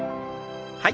はい。